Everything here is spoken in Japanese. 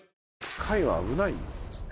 海は危ないですね。